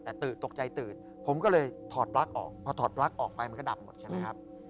แต่ตื่นตกใจตื่นผมก็เลยถอดปลั๊กออกพอถอดปลั๊กออกไฟมันก็ดับหมดใช่ไหมครับ